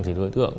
thì đối tượng